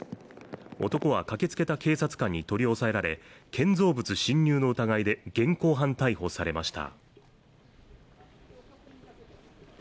男は駆けつけた警察官に取り押さえられ、建造物侵入の疑いで現行犯逮捕されました。